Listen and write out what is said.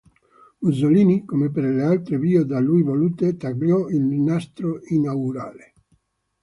Mussolini, come per le altre vie da lui volute, tagliò il nastro inaugurale.